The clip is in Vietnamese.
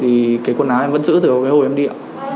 thì cái quần áo em vẫn giữ từ hồi em đi